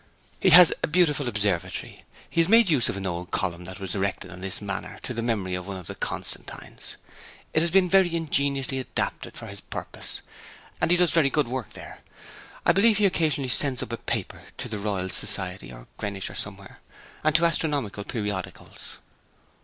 'He has a beautiful observatory. He has made use of an old column that was erected on this manor to the memory of one of the Constantines. It has been very ingeniously adapted for his purpose, and he does very good work there. I believe he occasionally sends up a paper to the Royal Society, or Greenwich, or somewhere, and to astronomical periodicals.'